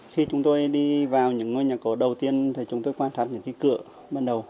khi chúng tôi đi vào những ngôi nhà cổ đầu tiên thì chúng tôi quan sát những cửa ban đầu